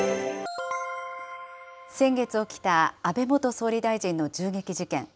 先月起きた安倍元総理大臣の銃撃事件。